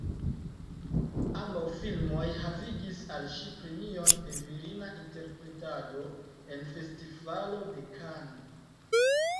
Ambaŭ filmoj havigis al ŝi premion de virina interpretado en Festivalo de Cannes.